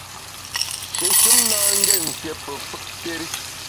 Shéshùm na ngét nsié pe fùtkéri.